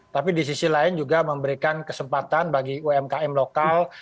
tapi di sisi lain juga memberikan kesempatan bagi umkm lokal